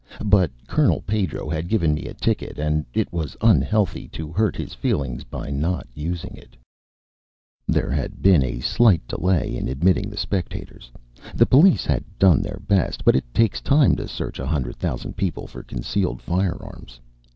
But Colenel Pedro had given me a ticket and it was un healthy to hurt his feelings by not using it GALAXY There had been a slight delay in admitting the spectators; the police had done their best, but it takes time to search a hundred thousand people for concealed fire arms.